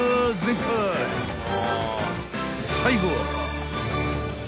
［最後は］